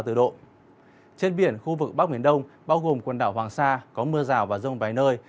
trên biển khu vực bắc biển đông bao gồm quần đảo hoàng sa có mưa rào và rông vài nơi